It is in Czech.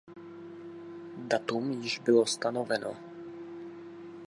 Datum již bylo stanoveno.